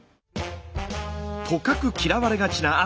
とかく嫌われがちな汗。